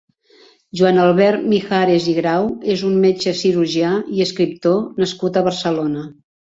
Joan Albert Mijares i Grau és un metge, cirurgià, i escriptor nascut a Barcelona.